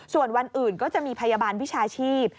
ส่วนวันอื่นก็จะมีพยาบาลวิชาชีพ